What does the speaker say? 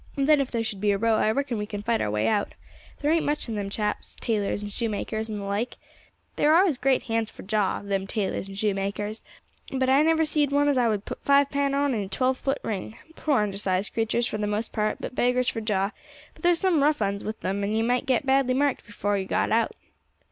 "Then if there should be a row, I reckon we can fight our way out. There ain't much in them chaps, tailors and shoemakers, and the like; they are always great hands for jaw, them tailors and shoemakers, but I never seed one as I would put five pound on in a twelve foot ring. Poor undersized creatures, for the most part, but beggars for jaw; but there are some rough uns with 'em, and yer might get badly marked before yer got out."